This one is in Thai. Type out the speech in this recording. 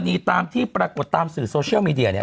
ตามที่ปรากฏตามสื่อโซเชียลมีเดียเนี่ย